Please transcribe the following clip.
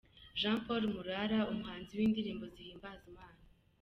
Jean Paul Murara, umuhanzi w’indirimbo zihimbaza Imana.